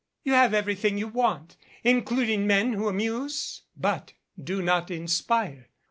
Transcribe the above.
"You have everything you want, including men who amuse but do not inspire.